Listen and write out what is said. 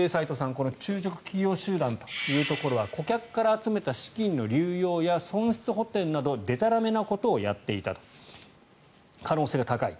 この中植企業集団というところは顧客から集めた資金の流用や損失補てんなどでたらめなことをやっていた可能性が高い。